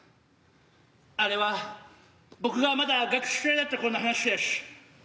あれは僕がまだ学生だった頃の話でしゅ。